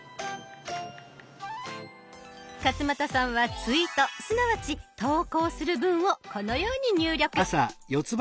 勝俣さんはツイートすなわち投稿する文をこのように入力。